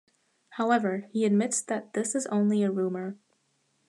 However, he admits that this is only a rumor.